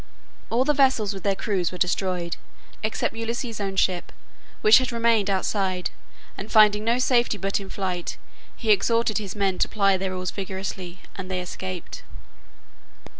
All the vessels with their crews were destroyed, except Ulysses' own ship, which had remained outside, and finding no safety but in flight, he exhorted his men to ply their oars vigorously, and they escaped.